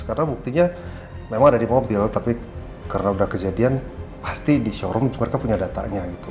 karena buktinya memang ada di mobil tapi karena udah kejadian pasti di showroom mereka punya datanya